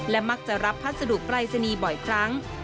มักจะรับพัสดุปรายศนีย์บ่อยครั้ง